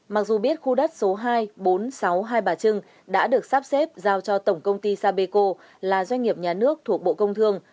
mặc dù biết khu đất số hai bốn trăm sáu mươi hai bà trưng đã được sắp xếp giao cho tổng công ty sapeco là doanh nghiệp nhà nước thuộc bộ công thương